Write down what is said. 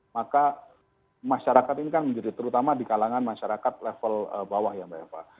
maka masyarakat ini kan menjadi terutama di kalangan masyarakat level bawah ya mbak eva